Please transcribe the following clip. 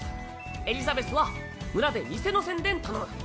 エリザベスは村で店の宣伝頼む。